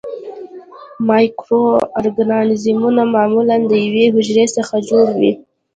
مایکرو ارګانیزمونه معمولاً د یوې حجرې څخه جوړ وي.